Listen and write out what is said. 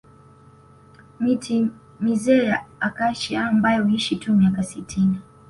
Miti mizee ya Acacia ambayo huishi tu miaka sitini